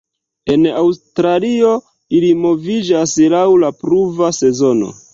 En Aŭstralio ili moviĝas laŭ la pluva sezono.